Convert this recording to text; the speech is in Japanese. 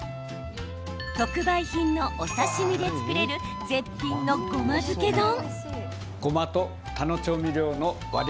特売品のお刺身で作れる絶品のごま漬け丼。